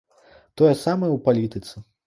Тое самае ў палітыцы.